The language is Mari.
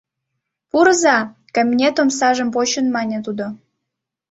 — Пурыза, — кабинет омсажым почын мане тудо.